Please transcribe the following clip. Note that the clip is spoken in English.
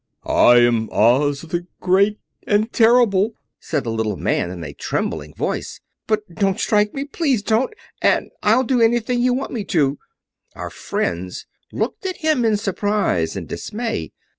"I am Oz, the Great and Terrible," said the little man, in a trembling voice. "But don't strike me—please don't—and I'll do anything you want me to." Our friends looked at him in surprise and dismay.